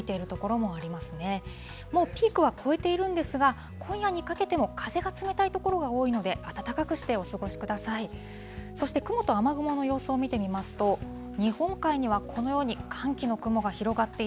もうピークは越えているんですが、今夜にかけても風が冷たい所が多いので、暖かくしてお過ごしください。